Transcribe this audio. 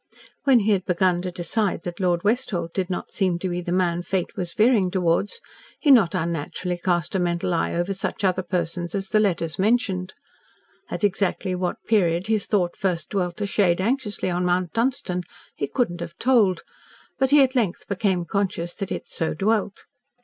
When he had begun to decide that Lord Westholt did not seem to be the man Fate was veering towards, he not unnaturally cast a mental eye over such other persons as the letters mentioned. At exactly what period his thought first dwelt a shade anxiously on Mount Dunstan he could not have told, but he at length became conscious that it so dwelt.